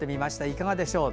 いかがでしょう。